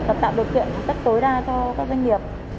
và tạo điều kiện rất tối đa cho các doanh nghiệp